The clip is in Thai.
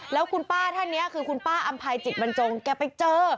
แล้วคุณป้าท่านนี้คือคุณป้าอำภัยจิตบรรจงแกไปเจอ